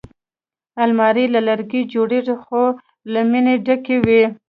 الماري له لرګي جوړېږي خو له مینې ډکې وي